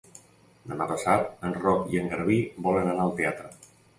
Demà passat en Roc i en Garbí volen anar al teatre.